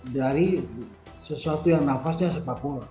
dari sesuatu yang nafasnya sepak bola